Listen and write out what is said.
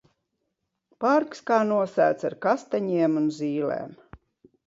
Parks kā nosēts ar kastaņiem un zīlēm!